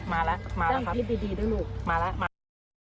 นั่งจิตดีด้วยลูก